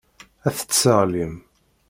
Ad t-tesseɣlim.